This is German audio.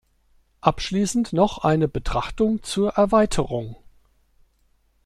Abschließend noch eine Betrachtung zur Erweiterung.